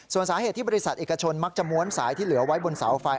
ส่วนสาเหตุที่บริษัทเอกชนมักจะม้วนสายที่เหลือไว้บนเสาไฟ